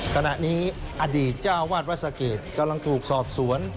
ขณะนี้อดีตเจ้าวาดวัดสะเกดกำลังถูกสอบสวน